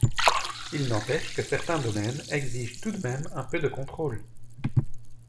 Il n’empêche que certains domaines exigent tout de même un peu de contrôle.